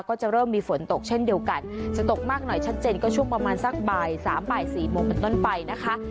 ก็จะเริ่มมีฝนตกเช่นเดียวกันจะตกมากหน่อยชัดเจนก็ช่วงประมาณสักบ่ายสามบ่ายสี่โมงเป็นต้นไปนะคะ